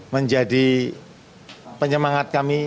menjadi penyemangat kami